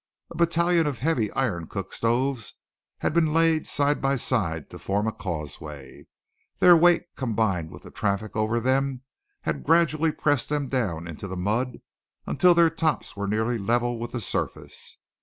A battalion of heavy iron cook stoves had been laid side by side to form a causeway. Their weight combined with the traffic over them had gradually pressed them down into the mud until their tops were nearly level with the surface.